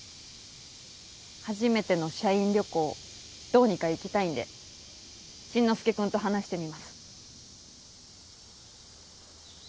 初めての社員旅行どうにか行きたいんで進之介君と話してみます。